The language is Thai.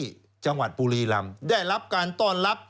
จังหวัดบุรีรำได้รับการต้อนรับ